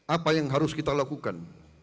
apa yang harus kita lakukan